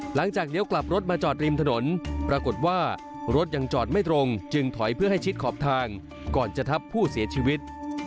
เลี้ยวกลับรถมาจอดริมถนนปรากฏว่ารถยังจอดไม่ตรงจึงถอยเพื่อให้ชิดขอบทางก่อนจะทับผู้เสียชีวิต